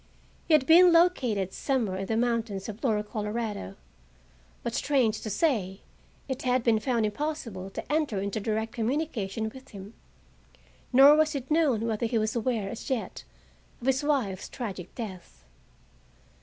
He had been located somewhere in the mountains of lower Colorado, but, strange to say, It had been found impossible to enter into direct communication with him; nor was it known whether he was aware as yet of his wife's tragic death.